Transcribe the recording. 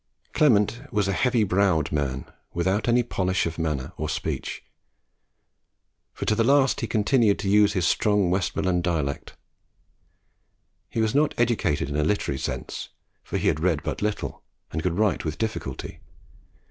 Clement was a heavy browed man, without any polish of manner or speech; for to the last he continued to use his strong Westmoreland dialect. He was not educated in a literary sense; for he read but little, and could write with difficulty.